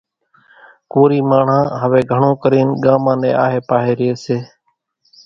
ڪورِي ماڻۿان هويَ گھڻون ڪرينَ ڳامان نيَ آۿيَ ريئيَ سي۔